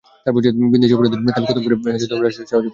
ভিনদেশি অপরাধীদের খেল খতম করে দিতে হাজির সাহসী পুলিশ অফিসার অনন্ত।